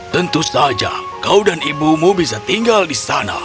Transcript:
tentu saja kau dan ibumu bisa tinggal di sana